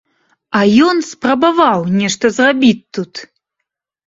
А ён спрабаваў нешта зрабіць тут!